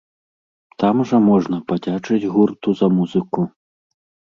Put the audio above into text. Там жа можна падзячыць гурту за музыку.